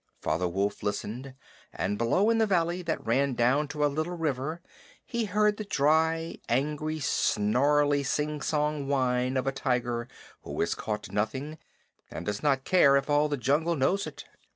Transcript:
Father Wolf listened, and below in the valley that ran down to a little river he heard the dry, angry, snarly, singsong whine of a tiger who has caught nothing and does not care if all the jungle knows it.